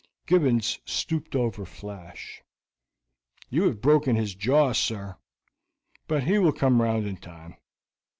Gibbons stooped over Flash. "You have broken his jaw, sir; but he will come round in time.